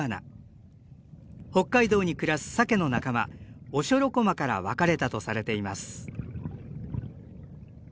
北海道に暮らすサケの仲間オショロコマから分かれたとされています。